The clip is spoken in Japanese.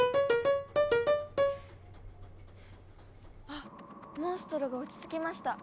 あモンストロが落ち着きました。